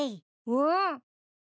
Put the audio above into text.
うん。